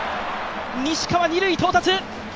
西川、二塁到達！